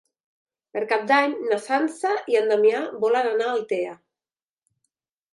Per Cap d'Any na Sança i en Damià volen anar a Altea.